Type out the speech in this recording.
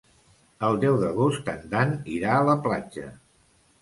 El deu d'agost en Dan irà a la platja.